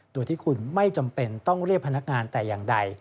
โดยที่คุณไม่จำเป็นต้องเรียกพนักงานแต่อย่างใด